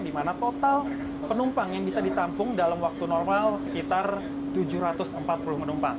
di mana total penumpang yang bisa ditampung dalam waktu normal sekitar tujuh ratus empat puluh penumpang